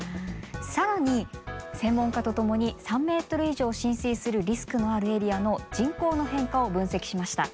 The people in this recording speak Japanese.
更に専門家と共に３ｍ以上浸水するリスクのあるエリアの人口の変化を分析しました。